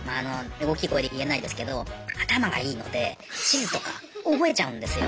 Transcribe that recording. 大きい声で言えないですけど頭がいいので地図とか覚えちゃうんですよ